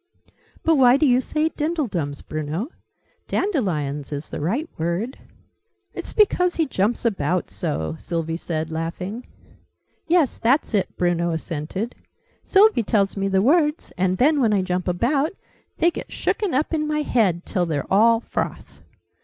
"But why do you say 'Dindledums,' Bruno? Dandelions is the right word." "It's because he jumps about so," Sylvie said, laughing. "Yes, that's it," Bruno assented. "Sylvie tells me the words, and then, when I jump about, they get shooken up in my head till they're all froth!"